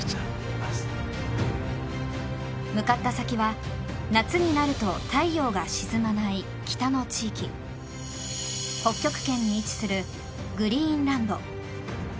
向かった先は、夏になると太陽が沈まない北の地域北極圏に位置するグリーンランド。